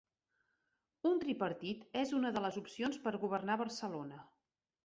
Un tripartit és una de les opcions per governar Barcelona